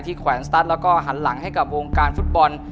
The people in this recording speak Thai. แขวนสตัสแล้วก็หันหลังให้กับวงการฟุตบอล